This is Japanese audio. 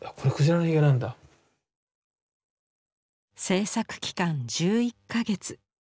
制作期間１１か月